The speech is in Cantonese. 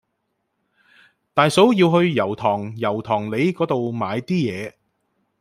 大嫂要去油塘油塘里嗰度買啲嘢